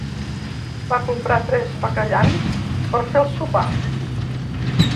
Va comprar tres bacallans per fer el sopar.